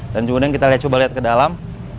dan kemudian kita coba lihat ke dalam